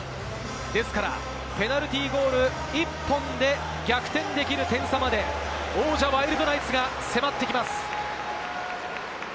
ですから、ペナルティーゴール１本で逆転できる点差まで王者・ワイルドナイツが迫ってきます。